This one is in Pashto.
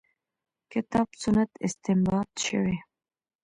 کتاب سنت استنباط شوې.